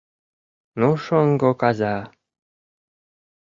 Ну шоҥго каза!